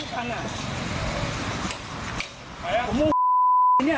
ไม่กินเงินผมอ่ะผมไม่รู้ว่า